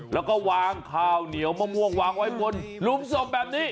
แล้วก็วางข้าวเหนียวมะม่วงวางไว้บนลุมศพแบบนี้